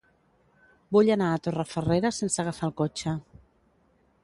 Vull anar a Torrefarrera sense agafar el cotxe.